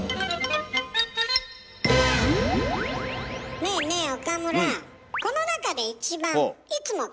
ねえねえ岡村。